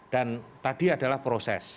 dan tadi adalah proses